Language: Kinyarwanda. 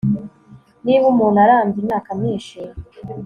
niba umuntu arambye imyaka myinshi